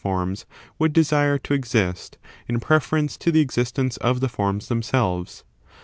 361 forms would desire to exist, in preference to the existence of the forms themselves.